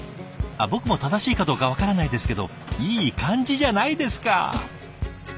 僕も正しいかどうか分からないですけどいい感じじゃないですか！